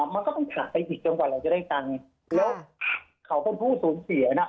มันก็ต้องขาดไปอีกจนกว่าเราจะได้ตังค์แล้วเขาเป็นผู้สูญเสียน่ะ